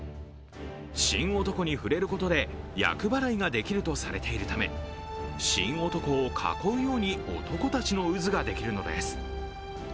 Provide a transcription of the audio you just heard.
神男に触れることで厄払いができるとされているため、神男を囲うように男たちの渦ができるのです。